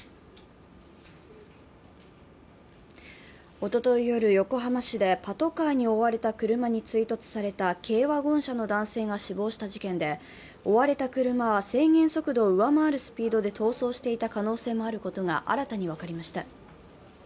おととい夜、横浜市でパトカーに追われた車に追突された軽ワゴン車の男性が死亡した事件で追われた車は制限速度を上回るスピードで逃走していた可能性もあることが新たに分かりました。